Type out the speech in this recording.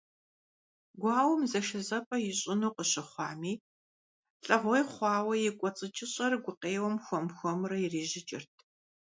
Гуауэм зэшэзэпӀэ ищӀыну къыщыхъуами, лӀэгъуей хъуауэ и кӀуэцӀыкӀыщӀэр гукъеуэм хуэм-хуэмурэ ирижьыкӀырт.